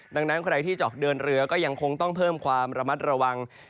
ดังนั้นใครที่จะออกเดินเรือก็ยังคงต้องเพิ่มความระมัดระวัง